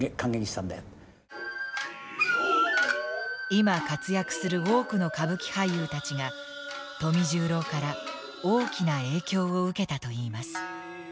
今活躍する多くの歌舞伎俳優たちが富十郎から大きな影響を受けたといいます。